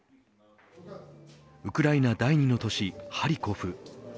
ウクライナ第２の都市ハリコフ。